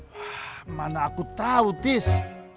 wah mana aku tahu tis